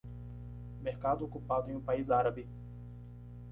Mercado ocupado em um país árabe.